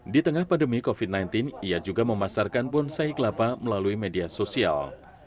di tengah pandemi covid sembilan belas ia juga memasarkan bonsai kelapa melalui media sosial